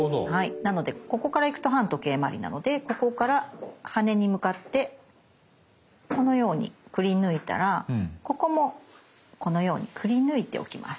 なのでここから行くと反時計まわりなのでここから羽に向かってこのようにくりぬいたらここもこのようにくりぬいておきます。